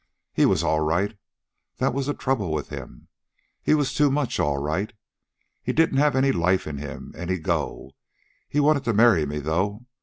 He was all right. That was the trouble with him. He was too much all right. He didn't have any life in him, any go. He wanted to marry me, though.